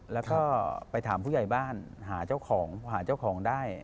แล้วก็ไปถามผู้ใหญ่บ้านหาเจ้าของหาเจ้าของได้